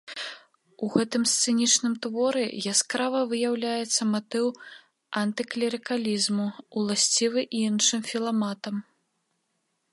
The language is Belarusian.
У гэтым сцэнічным творы яскрава выяўляецца матыў антыклерыкалізму, уласцівы і іншым філаматам.